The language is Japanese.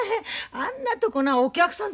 あんなとこなお客さん